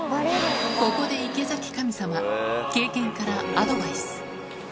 ここで池崎神様、経験からアドバイス。